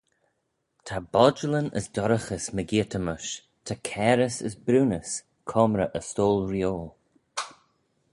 Ta bodjallyn as dorraghys mygeayrt-y-mysh: ta cairys as briwnys coamrey e stoyl-reeoil.